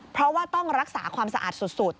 เพราะว่าต้องรักษาความสะอาดสุด